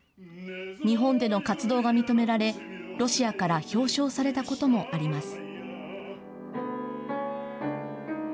日本での活動が認められ、ロシアから表彰されたこともあります。